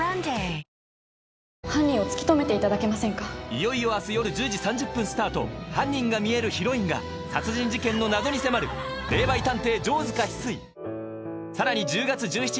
いよいよ明日よる１０時３０分スタート犯人が視えるヒロインが殺人事件の謎に迫る『霊媒探偵・城塚翡翠』さらにＺＩＰ！